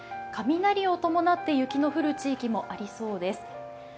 雷を伴って雪の降る地域もありそうです。